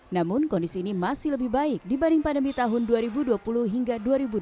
namun kondisi ini masih lebih baik dibanding pandemi tahun dua ribu dua puluh hingga dua ribu dua puluh